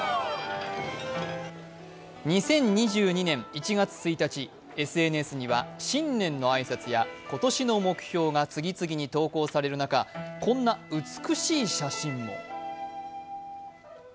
２０２２年１月１日、ＳＮＳには新年の挨拶や今年の目標が次々投稿される中、こんな美しい写真も。